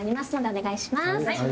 お願いします。